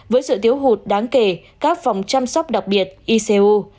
với sự thiếu hụt đáng kể các phòng chăm sóc đặc biệt icu